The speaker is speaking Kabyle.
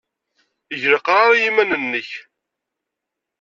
Eg leqrar i yiman-nnek.